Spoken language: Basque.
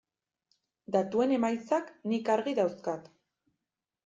Datuen emaitzak nik argi dauzkat.